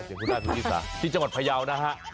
เสียงพูดได้ที่จังหวัดพยาวนะฮะ